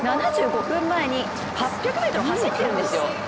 ７５分前に８００ｍを走っているんですよ。